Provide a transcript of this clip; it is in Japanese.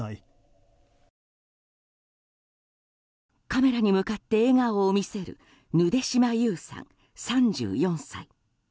カメラに向かって笑顔を見せるヌデシマ・ユウさん、３４歳。